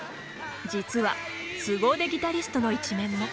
実はすご腕ギタリストの一面も。